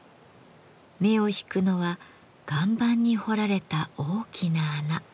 目を引くのは岩盤に掘られた大きな穴。